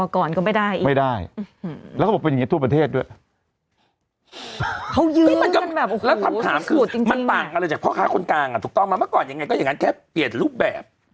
ก็อย่างนั้นแค่เปลี่ยนรูปแบบ